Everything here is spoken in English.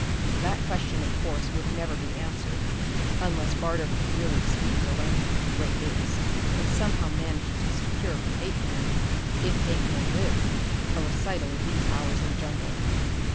That question, of course, would never be answered unless Barter could really speak the language of the great apes and somehow managed to secure from Apeman, if Apeman lived, a recital of these hours in the jungle.